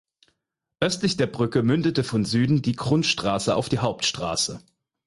Östlich der Brücke mündete von Süden die "Grundstraße" auf die Hauptstraße.